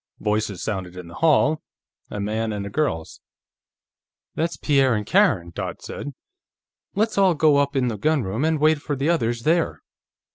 Voices sounded in the hall; a man's and a girl's. "That's Pierre and Karen," Dot said. "Let's all go up in the gunroom, and wait for the others there."